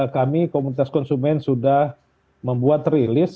kami komunitas konsumen sudah membuat rilis